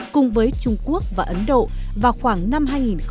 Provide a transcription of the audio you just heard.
cùng với trung quốc và ấn độ vào khoảng năm hai nghìn một mươi